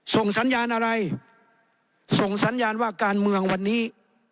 ส่งสัญญาณอะไรส่งสัญญาณว่าการเมืองวันนี้